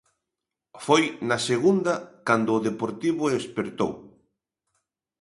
Foi na segunda cando o Deportivo espertou.